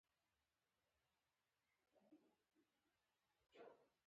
وروسته یې د ګرګین ظلمونه را واخیستل.